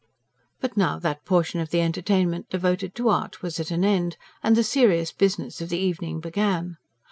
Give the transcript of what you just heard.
But now that portion of the entertainment devoted to art was at an end, and the serious business of the evening began.